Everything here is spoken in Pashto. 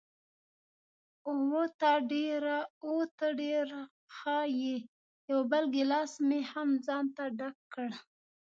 اوه، ته ډېره ښه یې، یو بل ګیلاس مې هم ځانته ډک کړ.